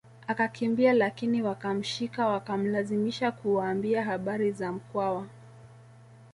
Akakimbia lakini wakamshika wakamlazimisha kuwaambia habari za Mkwawa